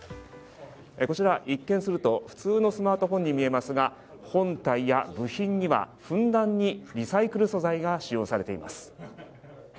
こちら一見すると普通のスマートフォンに見えますが、本体や部品にはふんだんにリサイクル素材が使用されています。